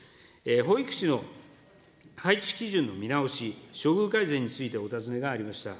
保育士の配置基準の見直し、処遇改善についてお尋ねがありました。